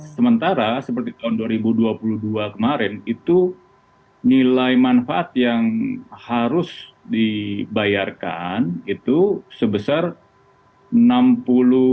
sementara seperti tahun dua ribu dua puluh dua kemarin itu nilai manfaat yang harus dibayarkan itu sebesar rp enam puluh triliun